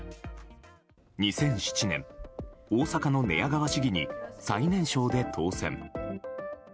２００７年、大阪の寝屋川市議に最年少で当選。